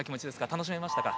楽しめましたか？